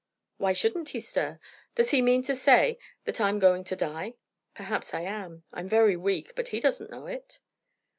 "Why shouldn't he stir? Does he mean to say that I'm going to die? Perhaps I am. I'm very weak, but he doesn't know it."